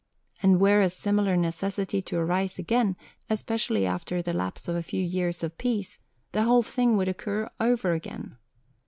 And were a similar necessity to arise again, especially after the lapse of a few years of peace, the whole thing would occur over again.